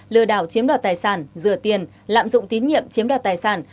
lừa đảo chiếm đoạt tài sản rửa tiền lạm dụng tín nhiệm chiếm đoạt tài sản